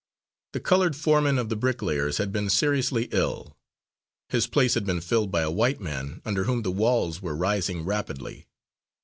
The coloured foreman of the brick layers had been seriously ill; his place had been filled by a white man, under whom the walls were rising rapidly.